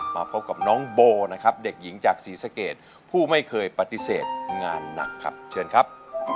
มาพบกับน้องโบนะครับเด็กหญิงจากศรีสะเกดผู้ไม่เคยปฏิเสธงานหนักครับเชิญครับ